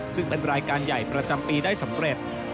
ซึ่งเป็นรายการใหญ่ประจำปีได้สำเร็จ